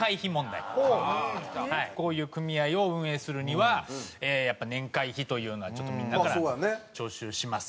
こういう組合を運営するにはやっぱ年会費というのはちょっとみんなから徴収します。